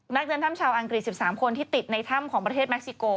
เดินถ้ำชาวอังกฤษ๑๓คนที่ติดในถ้ำของประเทศเม็กซิโก